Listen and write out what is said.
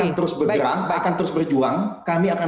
akan terus bergerak akan terus berjuang kami akan